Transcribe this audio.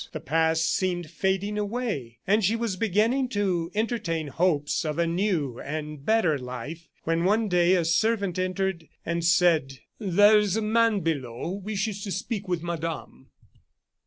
The past seemed fading away, and she was beginning to entertain hopes of a new and better life, when one day a servant entered, and said: "There is a man below who wishes to speak with Madame."